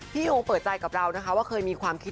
พี่ยิ่งยงเปิดใจกับเรานะคะว่าเคยมีความคิด